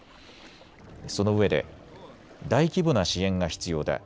そのうえで大規模な支援が必要だ。